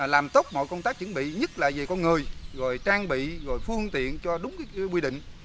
làm tốt mọi công tác chuẩn bị nhất là về con người trang bị phương tiện cho đúng quy định